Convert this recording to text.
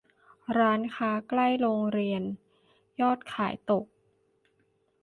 ร้านค้าใกล้โรงเรียนยอดขายตก